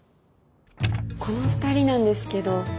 この２人なんですけど。